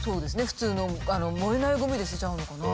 普通の燃えないゴミで捨てちゃうのかな。